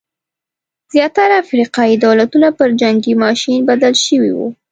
زیاتره افریقايي دولتونه پر جنګي ماشین بدل شوي وو.